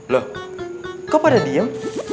loh kok pada diem